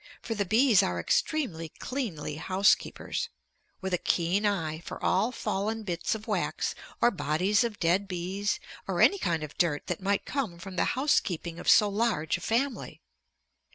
For the bees are extremely cleanly housekeepers, with a keen eye for all fallen bits of wax, or bodies of dead bees, or any kind of dirt that might come from the housekeeping of so large a family.